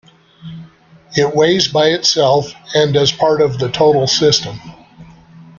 It weighs by itself, and as part of the total system.